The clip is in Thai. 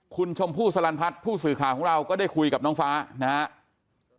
คุณชมพู่สลันพัฒน์ผู้สื่อข่าวของเราก็ได้คุยกับน้องฟ้านะครับ